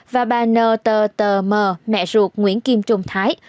và bà n t t m mẹ ruột nguyễn kim trung thái